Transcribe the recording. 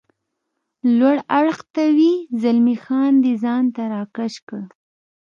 لوړ اړخ ته وي، زلمی خان دی ځان ته را کش کړ.